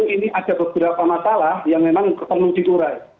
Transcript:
ini ada beberapa masalah yang memang perlu diurai